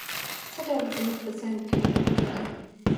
څه ډول زموږ په ذهن کې را ټوکېږي؟